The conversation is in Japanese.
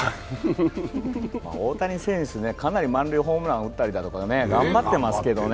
大谷選手ね、かなり満塁ホームラン打ったりだとか頑張ってますけどね。